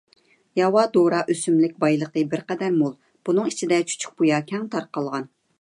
ياۋا دورا ئۆسۈملۈك بايلىقى بىرقەدەر مول، بۇنىڭ ئىچىدە چۈچۈكبۇيا كەڭ تارقالغان.